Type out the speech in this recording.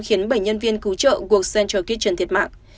khiến bảy nhân viên cứu trợ của central kitchen thiệt mạng